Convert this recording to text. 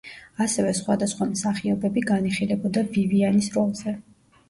ასევე სხვადასხვა მსახიობები განიხილებოდა ვივიანის როლზე.